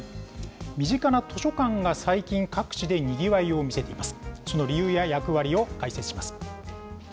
身近な図書館が、最近、各地でにぎわいを見せています。